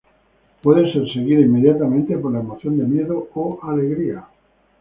Puede ser seguida inmediatamente por la emoción de miedo o alegría.